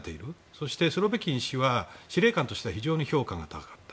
そして、スロビキン氏は司令官として非常に評価が高かった。